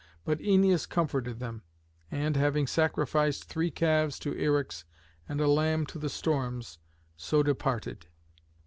But Æneas comforted them, and, having sacrificed three calves to Eryx and a lamb to the Storms, so departed.